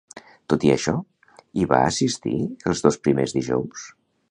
Tot i això, hi va assistir els dos primers dijous?